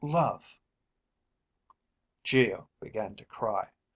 love ..._ Geo began to cry.